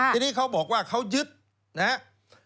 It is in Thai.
ทีนี้เขาบอกว่าเขายึดนะครับ